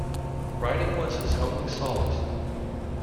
Writing was his only solace